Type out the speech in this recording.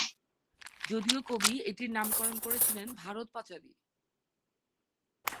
যদিও কবি এটির নামকরণ করেছিলেন "ভারত-পাঁচালী"।